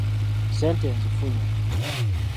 Ssente nzifunye.